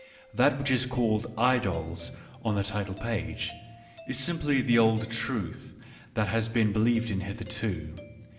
That which is called " Idols " on the title page is simply the old truth that has been be lieved in hitherto.